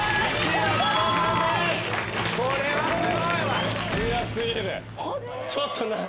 ・これはすごいわ。